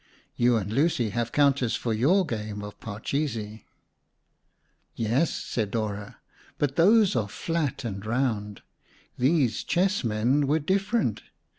You and Lucy have counters for your game of parchesi." "Yes," said Dora, "but those are flat and round. These chess men were different.